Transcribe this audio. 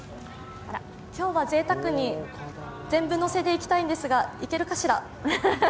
今日はぜいたくに、全部のせでいきたいんですが、いけるかしら。